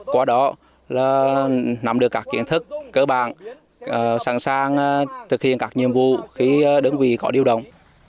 qua đó nắm được các kiến thức cơ bản sẵn sàng thực hiện các nhiệm vụ khi đơn vị có điều động